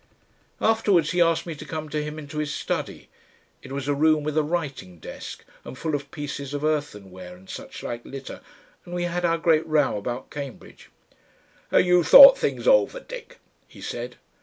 Afterwards he asked me to come to him into his study; it was a room with a writing desk and full of pieces of earthenware and suchlike litter, and we had our great row about Cambridge. "Have you thought things over, Dick?" he said.